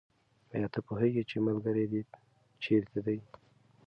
آیا ته پوهېږې چې ملګري دې چېرته دي؟